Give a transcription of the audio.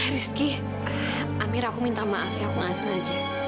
rizky amirah aku minta maaf ya aku nggak sengaja